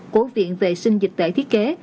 của viện vệ sinh dịch tễ thiết kế